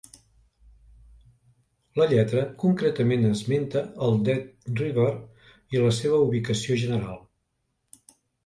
La lletra concretament esmenta el Dead River i la seva ubicació general.